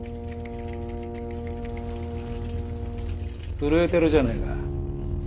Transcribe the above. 震えてるじゃねえか。